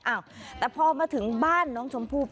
อ้าวแต่พอมาถึงบ้านน้องชมพู่